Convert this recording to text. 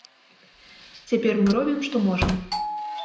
Цяпер мы робім, што можам.